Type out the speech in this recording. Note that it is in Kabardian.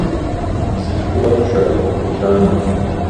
Бзылъхугъэ пшэрыхь хущанэ.